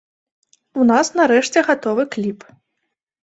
У нас нарэшце гатовы кліп.